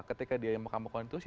ketika dia mahkamah konstitusi